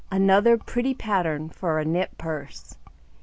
Another Pretty Pattern for a Knit Purse.